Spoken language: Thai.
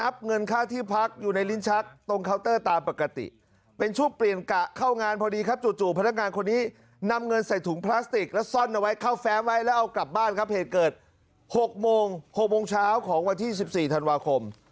พี่อีกคนจะมีพี่อีกคนเข้ามาทับกันเลยน้ำน้ำทั้งหมดทับกันเลย